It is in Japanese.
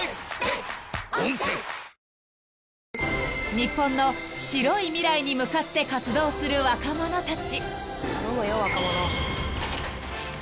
［日本の白い未来に向かって活動する若者たち］